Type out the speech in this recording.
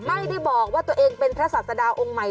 ไม่ได้บอกว่าตัวเองเป็นพระศาสดาองค์ใหม่